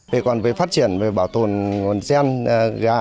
về còn về phát triển về bảo tồn nguồn gen gà